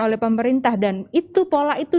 oleh pemerintah dan itu pola itu